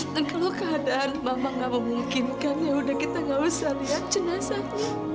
dan kalau keadaan mama gak memungkinkan yaudah kita gak usah lihat cenasan